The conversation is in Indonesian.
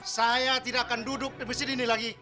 saya tidak akan duduk di mesin ini lagi